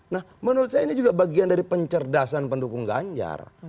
nah menurut saya ini juga bagian dari pencerdasan pendukung ganjar